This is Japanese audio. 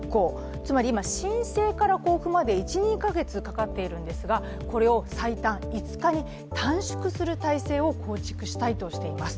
つまり今、申請から交付まで１２か月かかっているんですが、これを最短５日に短縮する体制を構築したいとしています。